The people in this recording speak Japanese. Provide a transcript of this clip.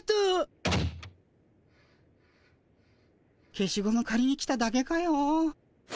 消しゴムかりに来ただけかよ。